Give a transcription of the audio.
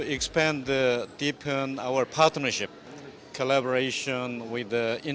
asean mengembangkan hubungan orang orang